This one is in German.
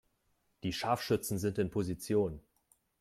Die Scharfschützen sind in Position.